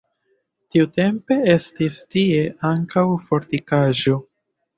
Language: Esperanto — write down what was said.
Tiutempe estis tie ankaŭ fortikaĵo.